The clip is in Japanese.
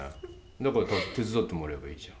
だから手伝ってもらえばいいじゃん。